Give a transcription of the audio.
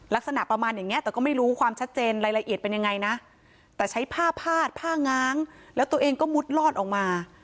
ลักษณะประมาณอย่างเงี้แต่ก็ไม่รู้ความชัดเจนรายละเอียดเป็นยังไงนะแต่ใช้ผ้าพาดผ้าง้างแล้วตัวเองก็มุดลอดออกมา